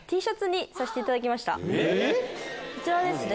こちらですね。